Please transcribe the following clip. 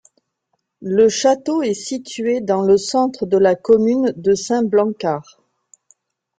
Le château est situé dans le centre de la commune de Saint-Blancard.